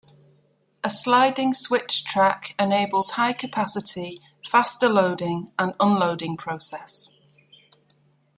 A sliding switch track enables high-capacity, faster loading and unloading process.